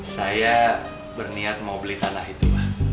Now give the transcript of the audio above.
saya berniat mau beli tanah itu